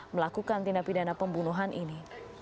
melakukan tindak pidana pembunuhan ini